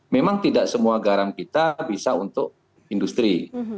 memang tidak semua garam kita bisa untuk industri